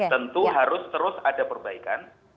tentu harus terus ada perbaikan